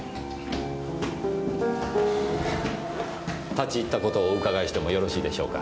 立ち入った事をお伺いしてもよろしいでしょうか？